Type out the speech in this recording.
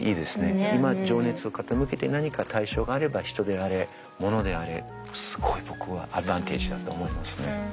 今情熱を傾けて何か対象があれば人であれ物であれすごい僕はアドバンテージだと思いますね。